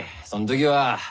その時は。